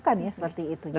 dan sangat efektif ya